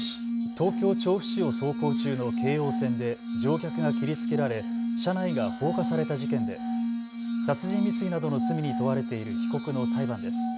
東京調布市を走行中の京王線で乗客が切りつけられ車内が放火された事件で殺人未遂などの罪に問われている被告の裁判です。